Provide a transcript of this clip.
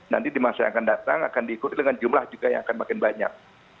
nanti di masa yang akan datang akan diikuti dengan jumlah juga yang akan makin banyak